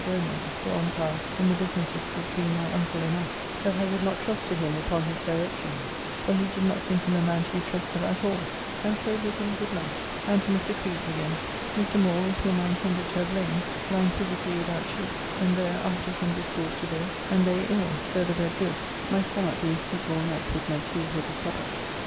Bernard for umpire in the businesses between my uncle and us, that I would not trust to him upon his direction, for he did not think him a man to be trusted at all; and so bid him good night, and to Mr. Creed's again; Mr. Moore, with whom I intended to have lain, lying physically without sheets; and there, after some discourse, to bed, and lay ill, though the bed good, my stomach being sicke all night with my too heavy supper.